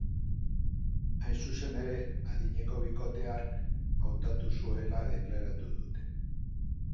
Hain zuzen ere, adineko bikotea hark hautatu zuela deklaratu dute.